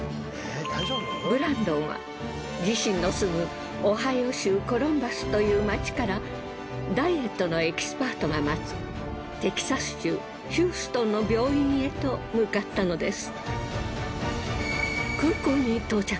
ブランドンは自身の住むオハイオ州コロンバスという町からダイエットのエキスパートが待つテキサス州ヒューストンの病院へと向かったのです。